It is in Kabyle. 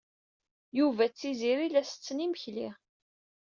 Yuba d Tiziri la setten imekli.